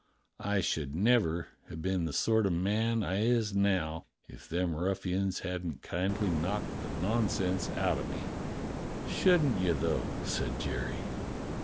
I should never have been the sort o' man I is now if them ruffians hadn't kindly knocked the nonsense out o' me." "Shouldn't you, though.^" said Jerry.